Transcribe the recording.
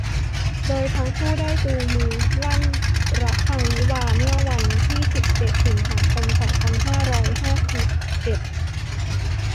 โดยทั้งคู่ได้จูงมือลั่นระฆังวิวาห์เมื่อวันที่ สิบเจ็ด สิงหาคม สองพันห้าร้อยห้าสิบเจ็ด